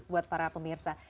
buat para pemirsa